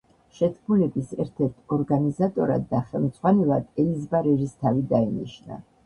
შეთქმულების ერთ-ერთ ორგანიზატორად და ხელმძღვანელად ელიზბარ ერისთავი დაინიშნა.